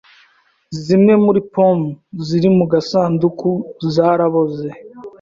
Zimwe muri pome ziri mu gasanduku zaraboze.